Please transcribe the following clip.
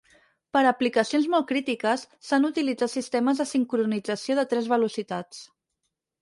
Per a aplicacions molt crítiques, s'han utilitzat sistemes de sincronització de tres velocitats.